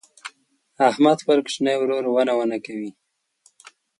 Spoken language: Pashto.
احمد خپل کوچنی ورور ونه ونه کوي.